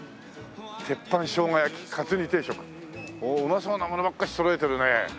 おおうまそうなものばっかしそろえてるねえ。